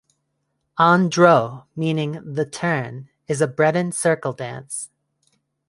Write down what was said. An Dro, meaning "the turn", is a Breton circle dance.